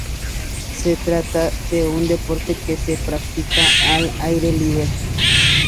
Se trata de un deporte que se practica al aire libre.